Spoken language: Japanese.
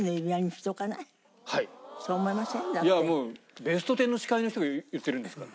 いやもう『ベストテン』の司会の人が言ってるんですから。